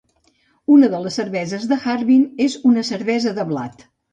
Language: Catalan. Una de les cerveses de Harbin és una cervesa de blat.